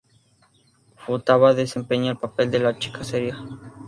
Futaba desempeña el papel de la "chica seria".